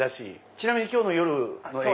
ちなみに今日の夜の営業。